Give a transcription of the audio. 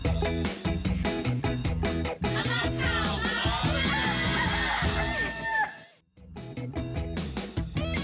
สนับสนามครับ